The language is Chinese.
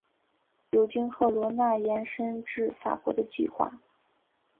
有经赫罗纳延伸至法国的计划。